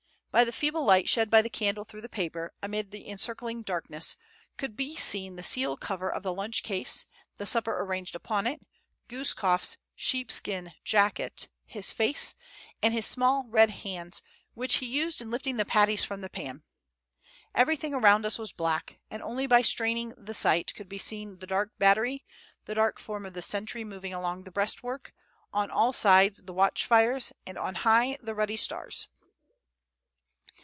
By the feeble light shed by the candle through the paper, amid the encircling darkness, could be seen the seal skin cover of the lunch case, the supper arranged upon it, Guskof's sheepskin jacket, his face, and his small red hands which he used in lifting the patties from the pan. Everything around us was black; and only by straining the sight could be seen the dark battery, the dark form of the sentry moving along the breastwork, on all sides the watch fires, and on high the ruddy stars.